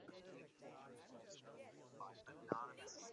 Born in Cyzicus, she was a famous painter and ivory engraver.